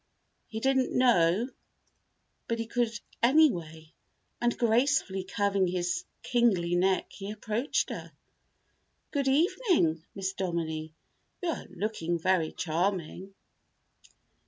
He didn't know but he could, anyway, and gracefully curving his kingly neck he approached her. "Good evening, Miss Dominie. You are looking very charming."